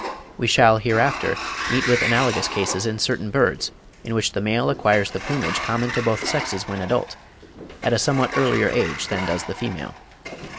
We shall hereafter meet with analogous cases in certain birds, in which the male acquires the plumage common to both sexes when adult, at a somewhat earlier age than does the female.